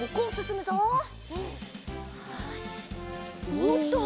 おっと！